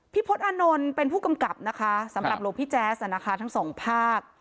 พี่พลตอนนท์เป็นผู้กำกับนะคะสำหรับหลวงพี่แจ๊สทั้ง๒ภาพ